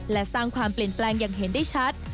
และสร้างความเปลี่ยนแปลงอย่างเห็นได้ชัด